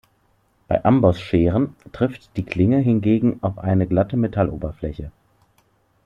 Bei Amboss-Scheren trifft die Klinge hingegen auf eine glatte Metalloberfläche.